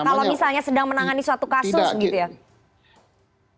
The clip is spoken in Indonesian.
kalau misalnya sedang menangani suatu kasus